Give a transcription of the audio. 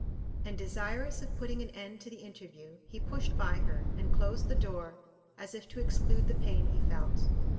And desirous of putting an end to the interview, he pushed by her, and closed the door, as if to exclude the pain he felt.